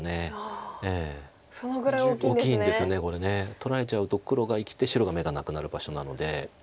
取られちゃうと黒が生きて白が眼がなくなる場所なので。